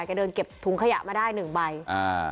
แกเดินเก็บถุงขยะมาได้หนึ่งใบอ่า